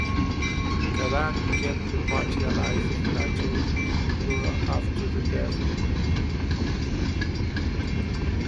Karad kept the party alive in Latur rural after the death of Munde.